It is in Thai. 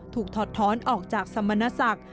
ถอดท้อนออกจากสมณศักดิ์